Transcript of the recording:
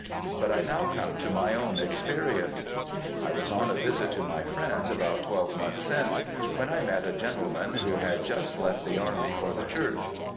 But I now come to my own experience. I was on a visit to my friends about twelve months since, when I met a gentleman who had just left the army for the church.